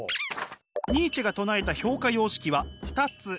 ニーチェが唱えた評価様式は２つ。